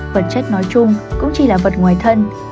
vật chất nói chung cũng chỉ là vật ngoài thân